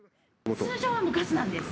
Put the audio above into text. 通常はガスなんです。